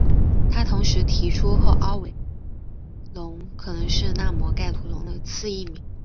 他同时提出后凹尾龙可能是纳摩盖吐龙的次异名。